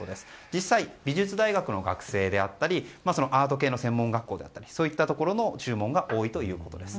実際に美術大学の学生であったりアート系の専門学校だったりというところの注文が多いということです。